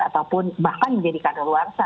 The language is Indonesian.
ataupun bahkan menjadi kadal luar sa